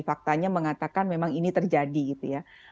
faktanya mengatakan memang ini terjadi gitu ya